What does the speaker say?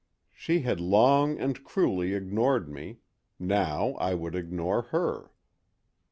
She had long and cruelly ignored me; now I would ignore her.